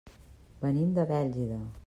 Venim de Bèlgida.